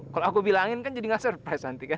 kalau aku bilangin kan jadi gak surprise nanti kan